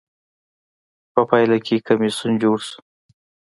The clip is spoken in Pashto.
په پایله کې کمېسیون جوړ شو.